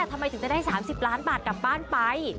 ทำไมถึงจะได้๓๐ล้านบาทกลับบ้านไป